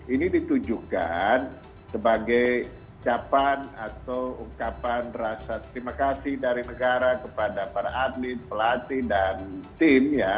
ini ditujukan sebagai capan atau ungkapan rasa terima kasih dari negara kepada para atlet pelatih dan tim ya